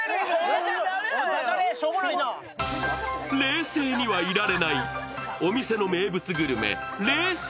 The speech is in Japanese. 冷静にはいられない、お店の名物グルメ、冷製！